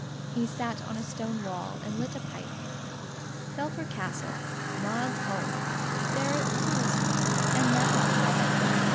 He sat on a stone wall and lit a pipe. Belpher Castle. Maud's home. There it was. And now what?